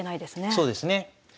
そうですね。